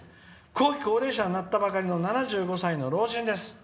後期高齢者になったばかりの７５歳の老人です」。